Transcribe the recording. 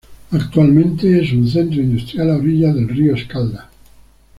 Actualmente es un centro industrial a orillas del río Escalda.